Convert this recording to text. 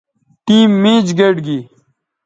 ٹیم میچ گئٹ گی